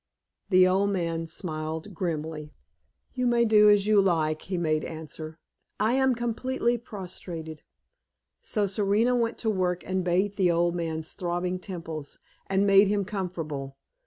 The old man smiled grimly. "You may do as you like," he made answer, "I am completely prostrated." So Serena went to work and bathed the old man's throbbing temples, and made him comfortable.